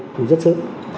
thì rất sớm